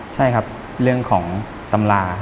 ใช่ครับเรื่องของตำรา